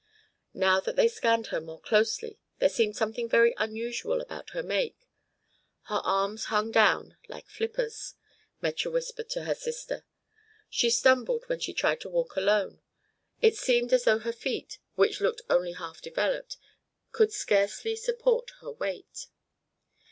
Now that they scanned her more closely there seemed something very unusual about her make. Her arms hung down, like flippers, Metje whispered to her sister. She stumbled when she tried to walk alone; it seemed as though her feet, which looked only half developed, could scarcely support her weight.